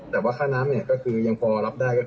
แต่ว่าค่าน้ำเนี่ยก็คือยังพอรับได้